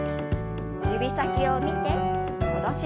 指先を見て戻します。